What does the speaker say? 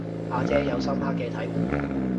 阿姐有深刻嘅體會